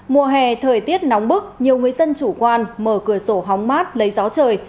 mùa hè thời tiết nóng bức nhiều người dân chủ quan mở cửa sổ hóng mát lấy gió trời